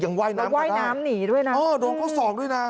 ยังไหว้น้ำและไหว้น้ำหนีด้วยน่ะอ๋อโดนเขาส่องด้วยน่ะ